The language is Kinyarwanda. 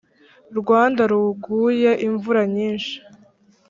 rwanda ruguye imvura nyinshi